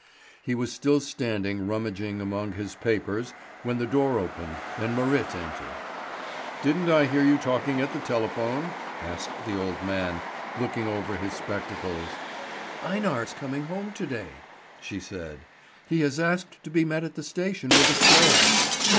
He was still standing rummaging among his papers, when the door opened and Marit entered. "Didn't I hear you talking at the telephone?" asked the old man, looking over his spectacles. "Einar's coming home to day," she said. "He has asked to be met at the station with a sledge."